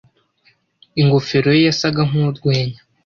ingofero ye yasaga nkurwenya